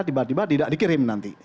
tiba tiba tidak dikirim nanti